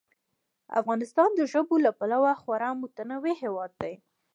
افغانستان د ژبو له پلوه خورا متنوع هېواد دی.